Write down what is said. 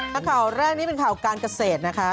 ถ้าข่าวแรกนี้เป็นข่าวการเกษตรนะคะ